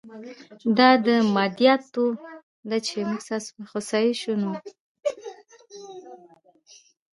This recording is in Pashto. دا د مادیاتو د لېوالتیا بدلولو روښانه بېلګه ده